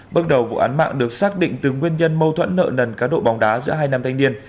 bước đầu vụ án mạng được xác định từ nguyên nhân mâu thuẫn nợ nần cá độ bóng đá giữa hai nam thanh niên